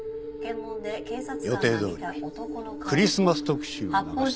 予定どおりクリスマス特集を流してください。